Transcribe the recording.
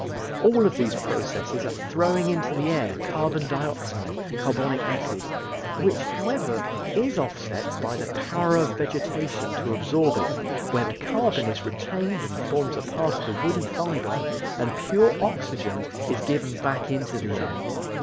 All of these processes are throwing into the air carbon dioxide (carbonic acid), which, however, is offset by the power of vegetation to absorb it, where the carbon is retained and forms a part of the woody fiber and pure oxygen is given back into the air.